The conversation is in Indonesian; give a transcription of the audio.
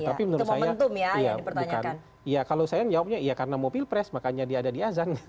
tapi menurut saya bukan ya kalau saya jawabnya ya karena mau pilpres makanya dia ada di azan